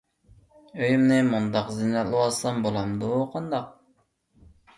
ئۆيۈمنى مۇنداق زىننەتلىۋالسام بولامدۇ قانداق؟